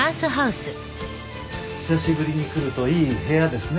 久しぶりに来るといい部屋ですね。